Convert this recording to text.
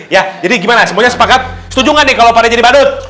ya jadi gimana semuanya sepakat setuju nggak nih kalau farid jadi badut